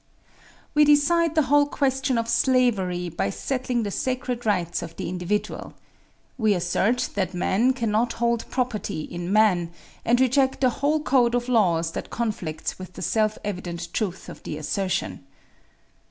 "We decide the whole question of slavery by settling the sacred rights of the individual. We assert that man cannot hold property in man, and reject the whole code of laws that conflicts with the self evident truth of the assertion.